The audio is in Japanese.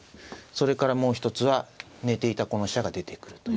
それからもう一つは寝ていたこの飛車が出てくるということです。